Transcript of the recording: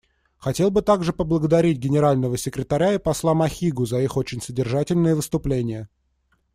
Хотел бы также поблагодарить Генерального секретаря и посла Махигу за их очень содержательные выступления.